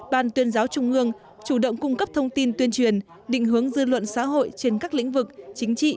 ban tuyên giáo trung ương chủ động cung cấp thông tin tuyên truyền định hướng dư luận xã hội trên các lĩnh vực chính trị